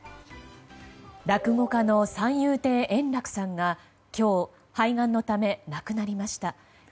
落語家の三遊亭円楽さんが今日、肺がんのため亡くなりました。